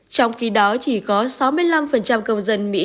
trong khi đó chỉ có sáu mươi năm công dân mỹ